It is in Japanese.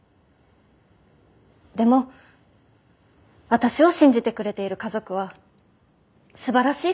でも私を信じてくれている家族はすばらしい家族です。